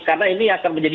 karena ini akan menjadi